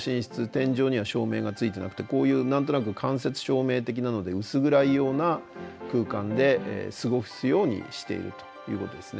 天井には照明がついてなくてこういう何となく間接照明的なので薄暗いような空間で過ごすようにしているということですね。